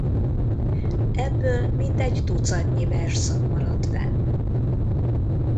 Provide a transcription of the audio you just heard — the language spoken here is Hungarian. Ebből mintegy tucatnyi versszak maradt fenn.